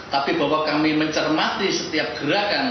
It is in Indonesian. tapi bahwa kami mencermati setiap gerakan kawan kawan kita